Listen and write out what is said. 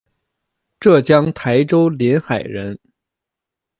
浙江台州临海人。